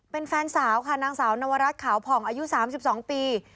เป็นแฟนสาวค่ะนางสาวนวรัฐขาวผ่องอายุ๓๒ปี